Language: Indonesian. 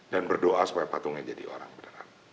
dan berdoa supaya patungnya jadi orang benar